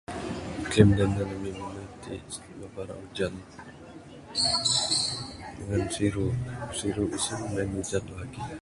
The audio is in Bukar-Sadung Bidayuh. [unintelligible] nehen ami mende ti babar ra ujan dangan siru, siru isen meh en ujan lagi.